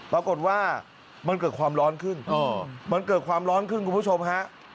ปรากฏว่ามันเกิดความร้อนขึ้นมันเกิดความร้อนขึ้นคุณผู้ชมฮะ